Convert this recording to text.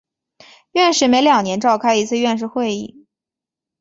院士每两年召开一次院士会议。